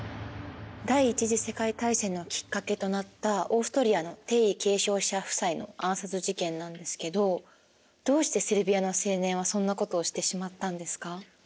第一次世界大戦のきっかけとなったオーストリアの帝位継承者夫妻の暗殺事件なんですけどどうしてセルビアの青年はそんなことをしてしまったんですか？